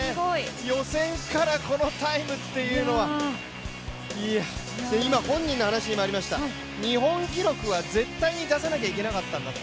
予選からこのタイムっていうのは、いやー今、本人の話にもありました日本記録は絶対に出さなければいけなかったんだと。